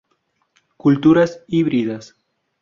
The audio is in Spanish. Culturas híbridas.